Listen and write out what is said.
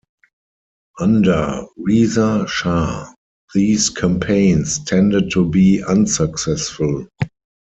Under Reza Shah, these campaigns tended to be unsuccessful.